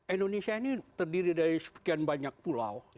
indonesia ini terdiri dari sekian banyak pulau